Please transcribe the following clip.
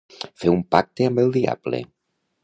Fer un pacte amb el diable.